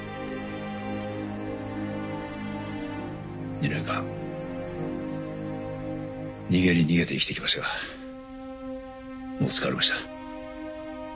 ２年間逃げに逃げて生きてきましたがもう疲れました。